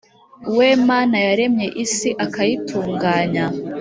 we mana yaremye isi akayitunganya,